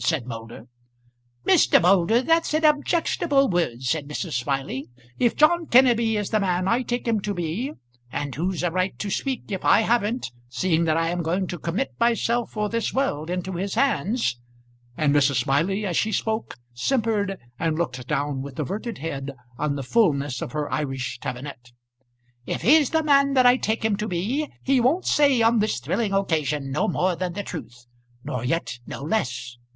said Moulder. "Mr. Moulder, that's an objectionable word," said Mrs. Smiley. "If John Kenneby is the man I take him to be, and who's a right to speak if I haven't, seeing that I am going to commit myself for this world into his hands?" and Mrs. Smiley, as she spoke, simpered, and looked down with averted head on the fulness of her Irish tabinet "if he's the man that I take him to be, he won't say on this thrilling occasion no more than the truth, nor yet no less.